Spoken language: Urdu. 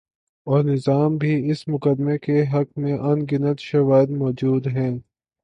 اورنظام بھی اس مقدمے کے حق میں ان گنت شواہد مو جود ہیں۔